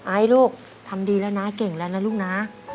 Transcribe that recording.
ไอ้ลูกทำดีแล้วนะเก่งแล้วนะลูกนะ